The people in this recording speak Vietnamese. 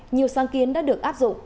nhiều sáng kiến đã được áp dụng